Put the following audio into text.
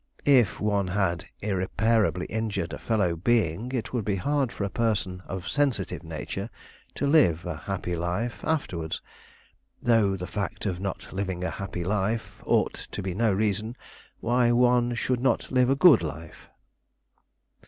If one had irreparably injured a fellow being, it would be hard for a person of sensitive nature to live a happy life afterwards; though the fact of not living a happy life ought to be no reason why one should not live a good life."